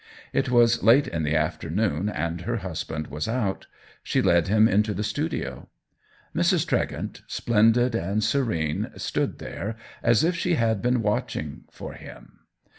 It was late in the after noon, and her husband was out; she led him into the studio. Mrs. Tregent, splen did and serene, stood there as if she had been watching for him.